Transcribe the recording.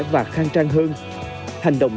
và khang trang hơn hành động